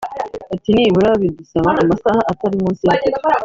Ati “nibura bidusaba amasaha atari munsi y’atatu